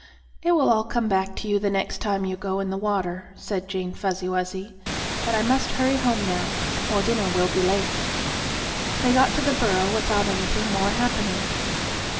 "It will all come back to you the next time you go in the water," said Jane Fuzzy Wuzzy. "But I must hurry home now, or dinner will be late." They got to the burrow without anything more happening.